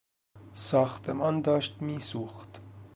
ساختمان داشت میسوخت.